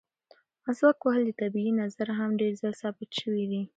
مسواک وهل د طبي نظره هم ډېر زیات ثابت شوي دي.